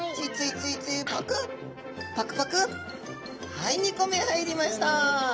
はい２個目入りました。